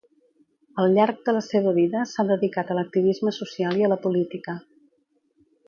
Al llarg de la seva vida s'ha dedicat a l'activisme social i a la política.